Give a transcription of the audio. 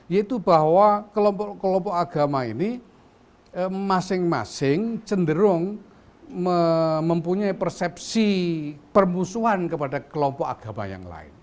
yaitu bahwa kelompok kelompok agama ini masing masing cenderung mempunyai persepsi permusuhan kepada kelompok agama yang lain